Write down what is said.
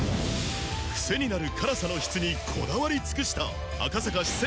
クセになる辛さの質にこだわり尽くした赤坂四川